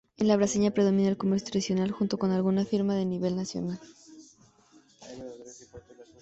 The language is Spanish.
En La Bañeza predomina el comercio tradicional, junto con alguna firma de nivel nacional.